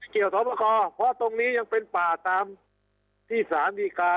สอบประคอเพราะตรงนี้ยังเป็นป่าตามที่สารดีกา